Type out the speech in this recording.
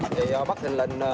thì bác thịnh linh